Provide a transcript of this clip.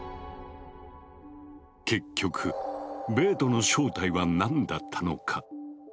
結局ベートの正体は何だったのか？